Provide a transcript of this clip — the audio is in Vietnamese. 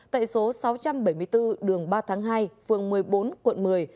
tại số sáu trăm bảy mươi bốn đường ba tháng hai phường một mươi bốn quận một mươi